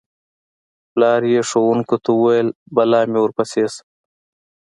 پلار یې ښوونکو ته وویل: بلا مې ورپسې شه.